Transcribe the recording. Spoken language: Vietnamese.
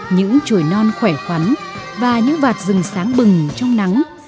những chùi non khỏe khoắn và những vạt rừng sáng bừng trong nắng